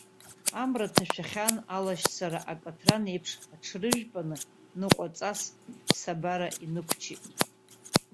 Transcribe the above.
Амра ҭашәахьан, алашьцара ақаҭран еиԥш аҽрыжәпаны, наҟәаҵас аԥсабара инықәчит.